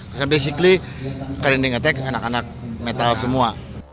jadi basically karinding attack anak anak metal semua